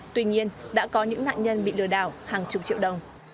tuy nhiên đã có những nạn nhân bị lừa đảo hàng chục triệu đồng